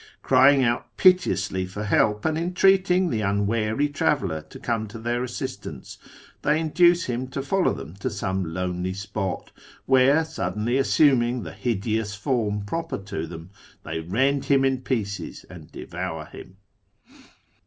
Crying out piteously for help, and entreating the unwary traveller to come to their I assistance, they induce him to follow them to some lonely I spot, where, suddenly assuming the hideous form proper to them, they rend him in pieces and devour him.